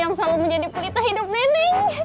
yang selalu menjadi pelita hidup nenek